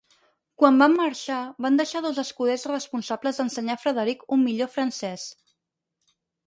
Quan van marxar, van deixar dos escuders responsables d'ensenyar a Frederick un millor francès.